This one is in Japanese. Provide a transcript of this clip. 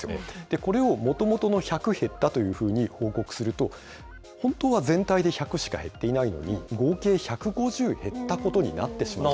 これをもともとの１００減ったというふうに報告すると、本当は全体で１００しか減っていないのに、合計１５０減ったことになってしまう。